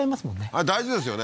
あれ大事ですよね